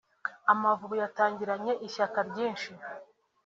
Amavubi yatangiranye ishyaka ryinshi